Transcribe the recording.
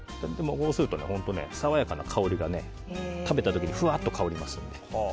こうすると本当に爽やかな香りが食べた時にふわっと香りますので。